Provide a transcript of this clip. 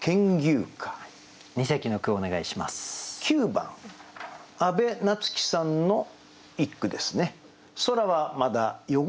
９番阿部奈津紀さんの一句ですね。